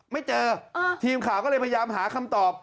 ไม่เจอทีมข่าวก็เลยพยายามหาคำตอบ